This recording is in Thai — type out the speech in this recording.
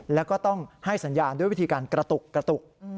แล้วก็ต้องให้สัญญาณด้วยวิธีการกระตุกกระตุก